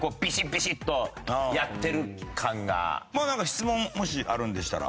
まあなんか質問もしあるんでしたら。